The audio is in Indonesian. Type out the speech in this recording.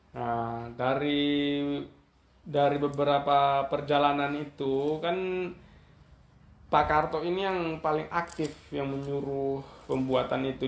nah dari beberapa perjalanan itu kan pak karto ini yang paling aktif yang menyuruh pembuatan itu